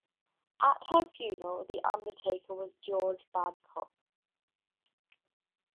At her funeral the undertaker was George Badcock.